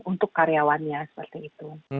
untuk karyawannya seperti itu